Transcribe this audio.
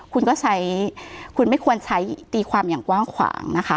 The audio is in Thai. คุณก็ใช้คุณไม่ควรใช้ตีความอย่างกว้างขวางนะคะ